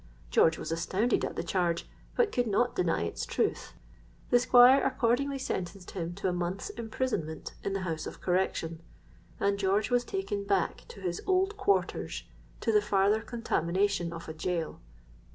George was astounded at the charge, but could not deny its truth. The Squire accordingly sentenced him to a month's imprisonment in the House of Correction; and George was taken back to his old quarters—to the farther contamination of a gaol!